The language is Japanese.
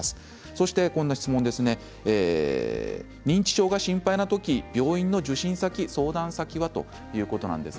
そして認知症が心配な時病院の受診先、相談先は？ということです。